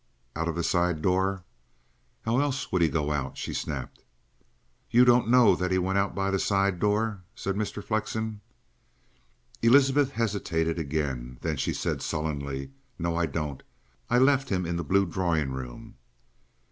"Out of the side door?" "How else would he go out?" she snapped. "You don't know that he went out by the side door?" said Mr. Flexen. Elizabeth hesitated again. Then she said sullenly: "No, I don't. I left him in the blue drawing room."